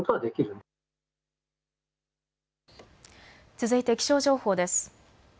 続いて気象情報です。